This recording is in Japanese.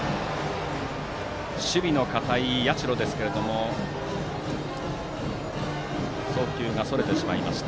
守備の堅い社ですけども送球がそれてしまいました。